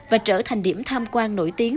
và trở thành điểm tham quan nổi tiếng